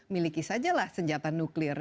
miliki sajalah senjata nuklir